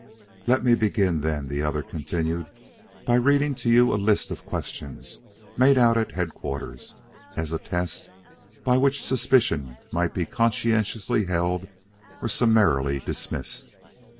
"Let me begin then," the other continued, "by reading to you a list of questions made out at Headquarters, as a test by which suspicion might be conscientiously held or summarily dismissed.